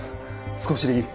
少しでいい。